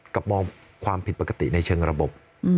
กับมองความผิดปกติในเชิงระบบ